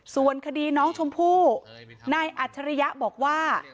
ส่วนคดีน้องชมพู่นายอัจฉริยะบอกว่า